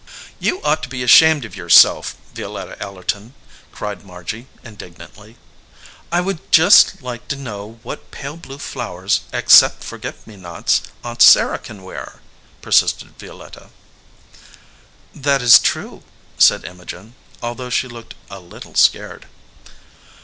"You ought to be ashamed of yourself, Violetta Ellerton," cried Margy, indignantly. "I would just like to know what pale blue flow ers, except forget me nots, Aunt Sarah can wear ?" persisted Violetta. "That is true," said Imogen, although she looked a little scared.